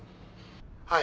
はい。